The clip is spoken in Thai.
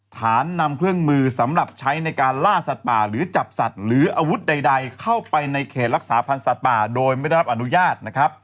นำเครื่องมือสำหรับใช้ในการล่าสัตว์ป่าหรือจับสัตว์หรืออาวุธใดเข้าไปในเขตรักษาพันธ์สัตว์ป่าโดยไม่ได้รับอนุญาตนะครับ